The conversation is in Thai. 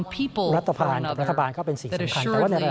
เป็นการพัฒนายังยั่งยืนให้กับชุมชน